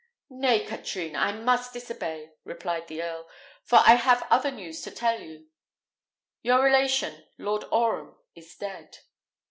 "Nay, Katrine, I must disobey," replied the earl, "for I have other news to tell you: your relation, Lord Orham, is dead."